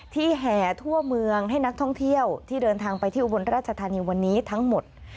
แห่ทั่วเมืองให้นักท่องเที่ยวที่เดินทางไปที่อุบลราชธานีวันนี้ทั้งหมด